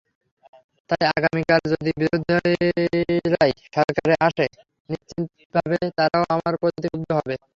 তাই আগামীকাল যদি বিরোধীরাই সরকারে আসে, নিশ্চিতভাবে তারাও আমাদের প্রতি ক্ষুব্ধ হবে।